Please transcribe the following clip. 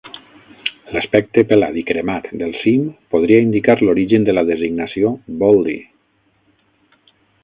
L'aspecte pelat i cremat del cim podria indicar l'origen de la designació "Baldy".